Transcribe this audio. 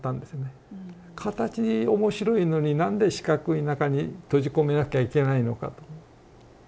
形面白いのに何で四角い中に閉じ込めなきゃいけないのかと。